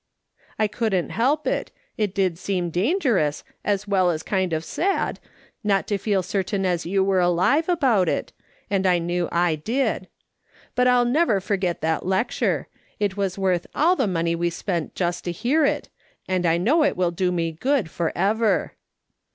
" I couldn't help it. It did seem dangerous, as well as kind of sad, not to feel certain as you were alive about it, and I knew I did. But I'll never forget that lecture : it was worth all the money we spent just to hear it, and I know it will do me good for ever.